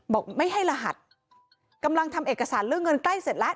บอกไม่ให้รหัสกำลังทำเอกสารเรื่องเงินใกล้เสร็จแล้ว